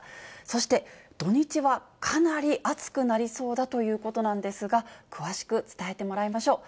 そして土日はかなり暑くなりそうだということなんですが、詳しく伝えてもらいましょう。